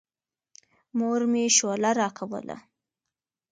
مور مې شوله راکوله.